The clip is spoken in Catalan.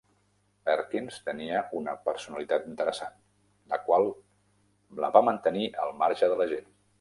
Perkins tenia una personalitat interessant, la qual la va mantenir al marge de la gent.